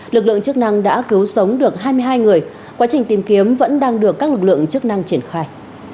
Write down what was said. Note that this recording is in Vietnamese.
lực lượng chức năng đã cứu sống được hai mươi hai người quá trình tìm kiếm vẫn đang được các lực lượng chức năng triển khai